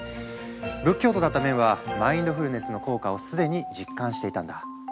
仏教徒だったメンはマインドフルネスの効果を既に実感していたんだ。